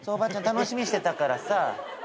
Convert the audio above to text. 楽しみにしてたからさ。